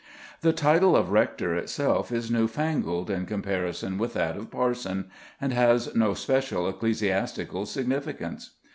The title of rector itself is new fangled in comparison with that of parson, and has no special ecclesiastical significance.